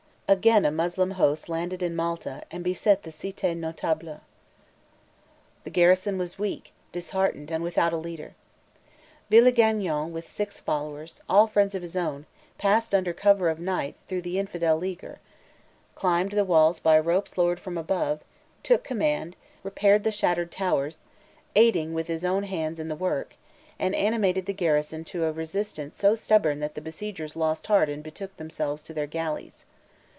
Again, a Moslem host landed in Malta and beset the Cite Notable. The garrison was weak, disheartened, and without a leader. Villegagnon with six followers, all friends of his own, passed under cover of night through the infidel leaguer, climbed the walls by ropes lowered from above, took command, repaired the shattered towers, aiding with his own hands in the work, and animated the garrison to a resistance so stubborn that the besiegers lost heart and betook themselves to their galleys.